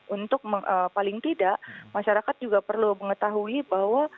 untuk paling tidak masyarakat juga perlu mengetahui bahwa